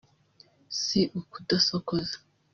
si ukudasokoza